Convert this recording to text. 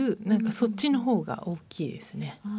そっちの方が大きいですね。